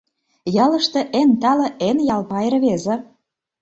Ялыште эн тале, эн ялпай рвезе.